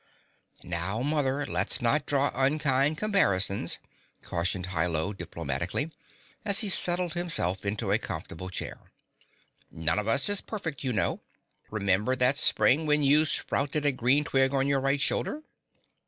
"Now, Mother, let's not draw unkind comparisons," cautioned Hi Lo diplomatically, as he settled himself into a comfortable chair. "None of us is perfect, you know. Remember that spring when you sprouted a green twig on your right shoulder?"